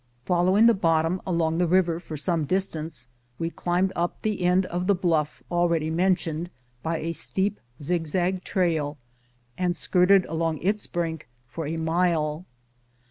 FoUowing the bottom along the river for some distance, we climbed up the end of the bluff already mentioned, by a steep zigzag trail, and skirted along its brink for a mile.